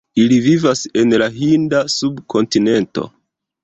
Ili vivas en la Hinda Subkontinento.